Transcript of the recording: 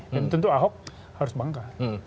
dan tentu ahok harus bangka